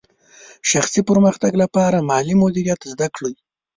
شخصي پرمختګ لپاره مالي مدیریت زده کړئ.